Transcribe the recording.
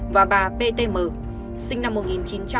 và bà bà của ông ptn